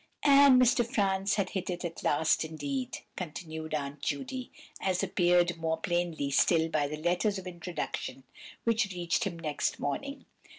"And Mr. Franz had hit it at last, indeed," continued Aunt Judy, "as appeared more plainly still by the letters of introduction which reached him next morning.